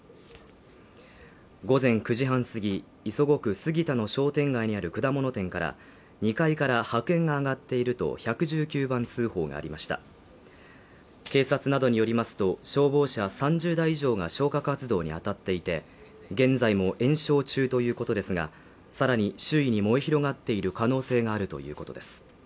午前９時半過ぎ磯子区杉田の商店街にある果物店から２階から白煙が上がっていると１１９番通報がありました警察などによりますと消防車３０台以上が消火活動に当たっていて現在も延焼中ということですがさらに周囲に燃え広がっている可能性があるということです